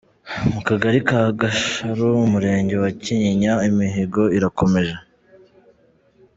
Mu kagari ka Gasharu, Umurenge wa Kinyinya imihigo irakomeje.